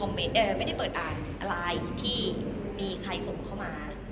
น้องนายดีขึ้นกว่าวันแรกมาก